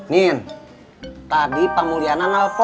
nin tadi pemulian analfo